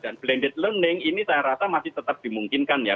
dan blended learning ini saya rasa masih tetap dimungkinkan ya